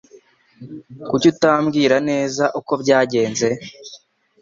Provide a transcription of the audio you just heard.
Kuki utambwira neza uko byagenze?